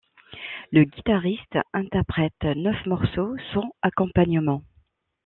Le guitariste interprète neuf morceaux sans accompagnement.